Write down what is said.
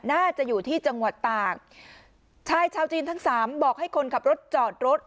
น่าจะอยู่ที่จังหวัดตากชายชาวจีนทั้งสามบอกให้คนขับรถจอดรถ